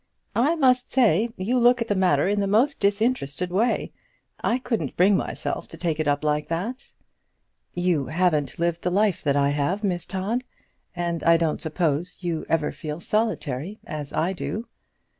"I must say you look at the matter in the most disinterested way. I couldn't bring myself to take it up like that." "You haven't lived the life that I have, Miss Todd, and I don't suppose you ever feel solitary as I do."